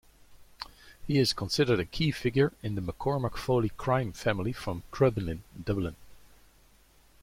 He is considered a key figure in the McCormack-Foley crime family from Crumlin, Dublin.